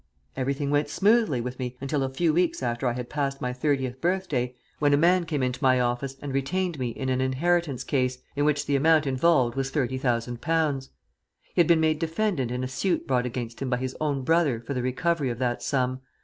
"Everything went smoothly with me until a few weeks after I had passed my thirtieth birthday, when a man came into my office and retained me in an inheritance case, in which the amount involved was thirty thousand pounds. He had been made defendant in a suit brought against him by his own brother for the recovery of that sum.